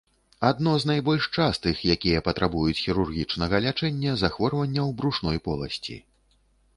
Адно з найбольш частых, якія патрабуюць хірургічнага лячэння, захворванняў брушной поласці.